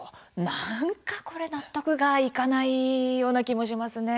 何かこれ、納得がいかないような気もしますね。